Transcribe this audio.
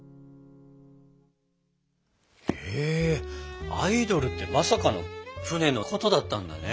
へえアイドルってまさかの船のことだったんだね。